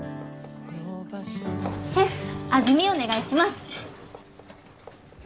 シェフ味見お願いします。